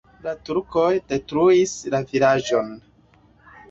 La turkoj detruis la vilaĝon.